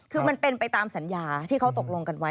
คือมันเป็นไปตามสัญญาที่เขาตกลงกันไว้